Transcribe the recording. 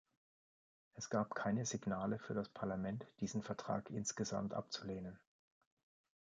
Es gab keine Signale für das Parlament, diesen Vertrag insgesamt abzulehnen.